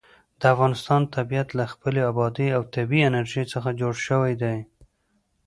د افغانستان طبیعت له خپلې بادي او طبیعي انرژي څخه جوړ شوی دی.